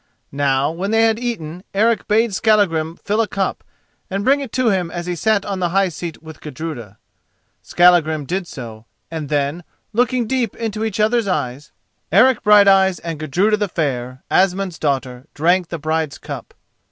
Now, when they had eaten, Eric bade Skallagrim fill a cup, and bring it to him as he sat on the high seat with Gudruda. Skallagrim did so; and then, looking deep into each other's eyes, Eric Brighteyes and Gudruda the Fair, Asmund's daughter, drank the bride's cup.